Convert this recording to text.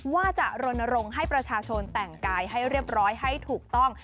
ว่าจะรณรงค์ให้ประชาชนแต่งกายให้เรียบร้อยให้ถูกต้อง